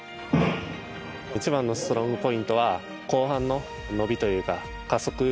一番のストロングポイントは後半の伸びというか加速。